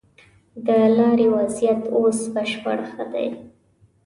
د لارې وضيعت اوس بشپړ ښه دی.